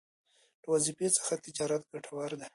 له وظيفې څخه تجارت ګټور دی